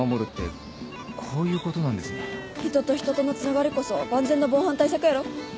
人と人とのつながりこそ万全な防犯対策やろ？